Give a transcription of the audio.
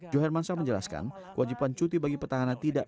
joh herman syah menjelaskan kewajiban cuti bagi petahana tidak